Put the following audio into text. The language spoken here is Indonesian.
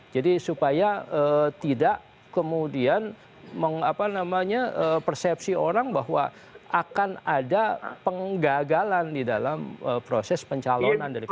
jadi supaya tidak kemudian persepsi orang bahwa akan ada penggagalan di dalam proses pencalonan dari pks